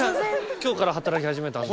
今日から働き始めたんで。